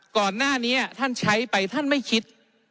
ก่อนหน้านี้ท่านใช้ไปท่านไม่คิด